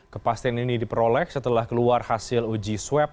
kepastian ini diperoleh setelah keluar hasil uji swab